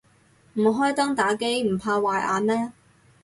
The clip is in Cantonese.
唔開燈打機唔怕壞眼咩